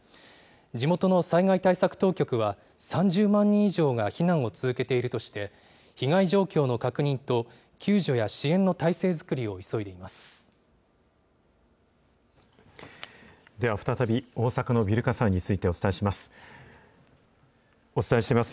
地元の災害対策当局は、３０万人以上が避難を続けているとして、被害状況の確認と、救助や支援の態勢作りを急いでいます。